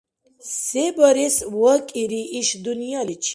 Се барес вакӏира иш дунъяличи?